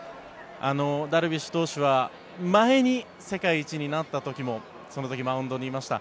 ダルビッシュ投手は前に世界一になった時もその時、マウンドにいました。